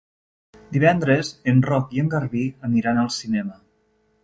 Divendres en Roc i en Garbí aniran al cinema.